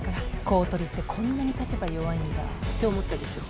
公取ってこんなに立場弱いんだって思ったでしょ？